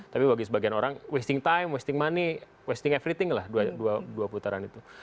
tapi bagi sebagian orang wasting time wasting money wasting everything lah dua putaran itu